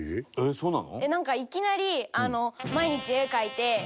そうなの？